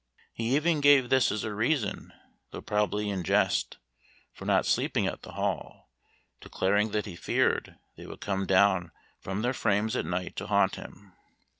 He even gave this as a reason, though probably in jest, for not sleeping at the Hall, declaring that he feared they would come down from their frames at night to haunt him.